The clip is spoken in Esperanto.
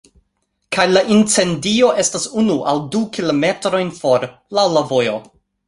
Kaj la incendio estas unu aŭ du kilometrojn for, laŭ la vojo.